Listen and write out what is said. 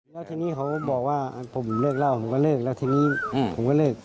แล้วทีนี้เขาบอกว่าผมเลิกเล่าผมก็เลิกแล้วทีนี้ผมก็เลิก